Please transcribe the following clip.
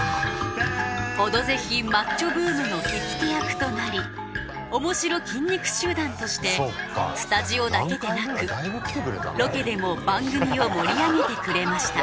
「オドぜひ」マッチョブームの火付け役となり面白筋肉集団としてスタジオだけでなくロケでも番組を盛り上げてくれました